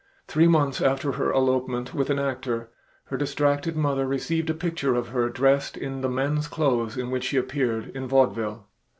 Three months after her elopement with an actor, her distracted mother received a picture of her dressed in the men's clothes in which she appeared in vaudeville.